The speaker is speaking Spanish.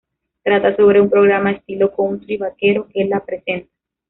Trata sobre un programa estilo country-vaquero que la presenta.